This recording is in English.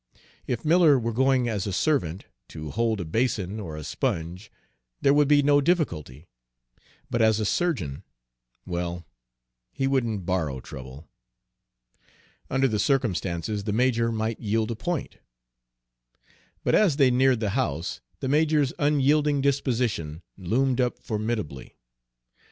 If Miller were going as a servant, to hold a basin or a sponge, there would be no difficulty; but as a surgeon well, he wouldn't borrow trouble. Under the circumstances the major might yield a point. But as they neared the house the major's unyielding disposition loomed up formidably.